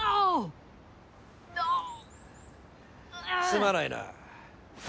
すまないな。